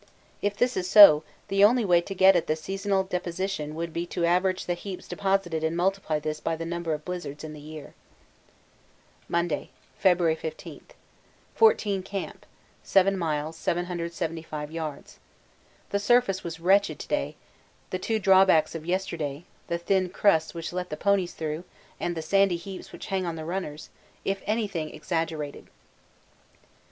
If this is so, the only way to get at the seasonal deposition would be to average the heaps deposited and multiply this by the number of blizzards in the year. Monday, February 15. 14 Camp. 7 miles 775 yards. The surface was wretched to day, the two drawbacks of yesterday (the thin crusts which let the ponies through and the sandy heaps which hang on the runners) if anything exaggerated.